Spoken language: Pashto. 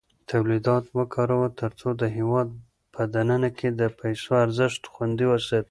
تولیدات وکاروه ترڅو د هېواد په دننه کې د پیسو ارزښت خوندي وساتې.